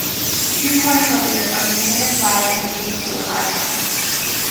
Two cornucopias are seen in the flag and state seal of Idaho.